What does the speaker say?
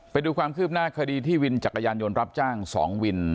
ไปดูความคืบหน้าคดีที่วินจักรยานยนต์รับจ้าง๒วิน